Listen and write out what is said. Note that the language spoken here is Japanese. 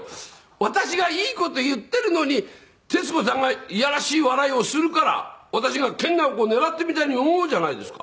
私がいい事言っているのに徹子さんがいやらしい笑いをするから私が研ナオコを狙っているみたいに思うじゃないですか。